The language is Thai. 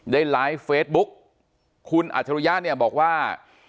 ได้ไลฟ์เฟซบุ๊กคุณอัจฉริยะเนี่ยบอกว่า